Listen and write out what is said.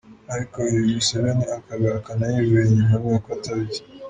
Ariko ibi Museveni akabihakana yivuye inyuma avuga ko atabizi.